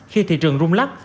khi thị trường rung lắc